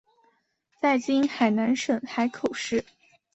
在今海南省海口市。